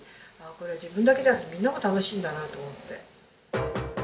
これ自分だけじゃなくみんなも楽しいんだなと思って。